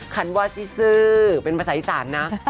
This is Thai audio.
คำว่าที่ซื้อเป็นภาษาอีสานนะ